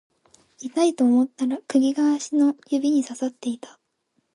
痛いと思ったら釘が足の指に刺さっていた